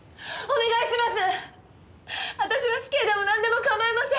お願いします！